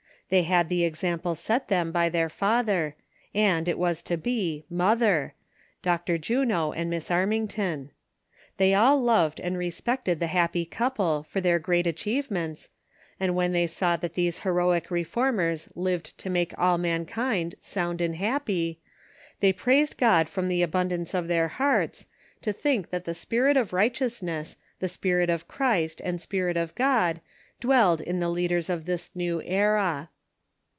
They had the ex ample set them by their Father, and, was to be, Mother— Dr. Juno and Miss Armington. They all loved and re spected the happy couple for their great achievements, and when they saw that these heroic reformers lived to make all mankind sound and happy, they praised God from the abundance of their hearts, to think that the spirit of righteousness, the spirit of Christ and spirit of God, dwelled in the leaders of this new era.